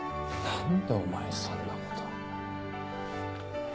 何でお前にそんなこと。